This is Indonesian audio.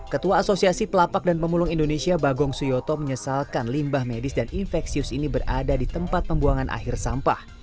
ketua asosiasi pelapak dan pemulung indonesia bagong suyoto menyesalkan limbah medis dan infeksius ini berada di tempat pembuangan akhir sampah